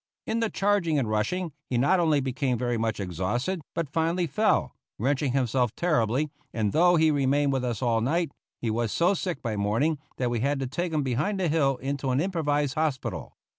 In the charging and rushing, he not only became very much exhausted, but finally fell, wrenching himself terribly, and though he remained with us all night, he was so sick by morning that we had to take him behind the hill into an improvised hospital.